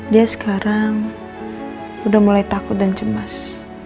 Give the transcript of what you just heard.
dia sekarang udah mulai takut dan cemas